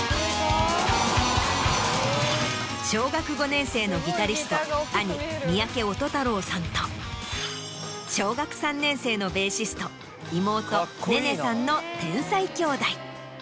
小学５年生のギタリスト兄三宅音太朗さんと小学３年生のベーシスト妹音寧さんの天才兄妹。